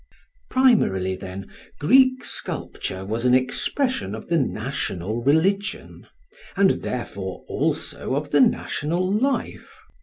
Primarily, then, Greek sculpture was an expression of the national religion; and therefore, also, of the national life.